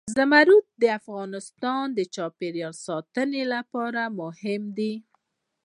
زمرد د افغانستان د چاپیریال ساتنې لپاره مهم دي.